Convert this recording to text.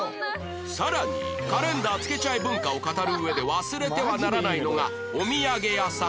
さらにカレンダー付けちゃえ文化を語る上で忘れてはならないのがお土産屋さん